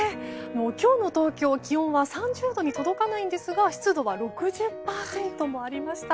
今日の東京、気温は３０度に届かないんですが湿度は６０％もありました。